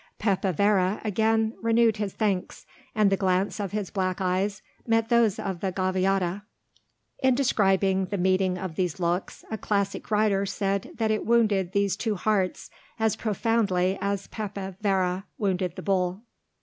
Pepe Vera again renewed his thanks, and the glance of his black eyes met those of the Gaviota. In describing the meeting of these looks, a classic writer said that it wounded these two hearts as profoundly as Pepe Vera wounded the bull.